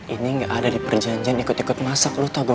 ini gak ada di perjanjian ikut ikut masak lo tau gak